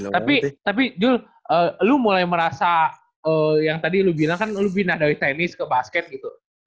tapi tapi jul lo mulai merasa yang tadi lu bilang kan lu pindah dari tenis ke basket gitu